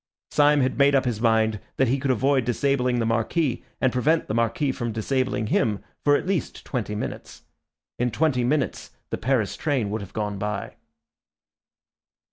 Syme had made up his mind that he could avoid disabling the Marquis and prevent the Marquis from disabling him for at least twenty minutes. In twenty minutes the Paris train would have gone by.